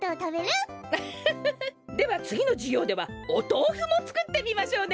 フフフッではつぎのじゅぎょうではおとうふもつくってみましょうね。